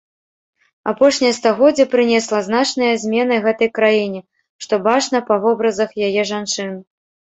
Апошняе стагоддзе прынесла значныя змены гэтай краіне, што бачна па вобразах яе жанчын.